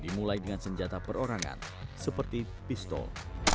dimulai dengan senjata perorangan seperti pistol